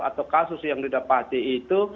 atau kasus yang didapati itu